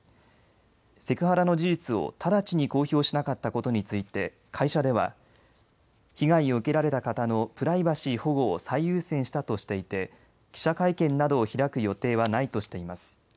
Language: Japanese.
セクハラの事実を直ちに公表しなかったことについて会社では被害を受けられた方のプライバシー保護を最優先したとしていて記者会見などを開く予定はないとしています。